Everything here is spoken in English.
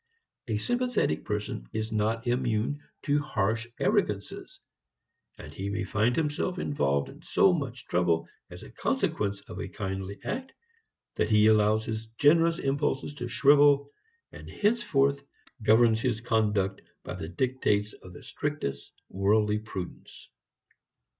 A sympathetic person is not immune to harsh arrogances, and he may find himself involved in so much trouble as a consequence of a kindly act, that he allows his generous impulses to shrivel and henceforth governs his conduct by the dictates of the strictest worldly prudence.